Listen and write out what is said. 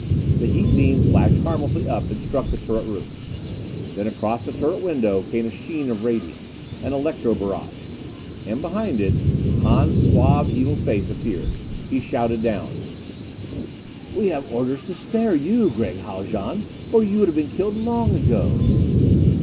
The heat beam flashed harmlessly up and struck the turret roof. Then across the turret window came a sheen of radiance an electro barrage. And behind it, Hahn's suave, evil face appeared. He shouted down: "We have orders to spare you, Gregg Haljan or you would have been killed long ago!"